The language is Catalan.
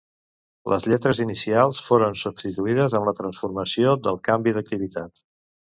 Les lletres inicials foren substituïdes amb la transformació del canvi d'activitat.